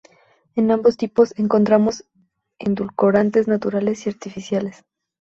En ambos tipos encontramos edulcorantes naturales y artificiales.